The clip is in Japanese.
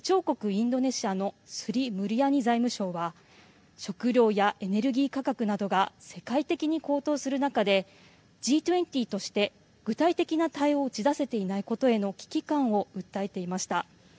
インドネシアのスリ・ムルヤニ財務相は食料やエネルギー価格などが世界的に高騰する中でＧ２０として具体的な対応を打ち出せていないことへの危機感を訴えていました。